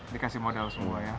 dikasih modal semua ya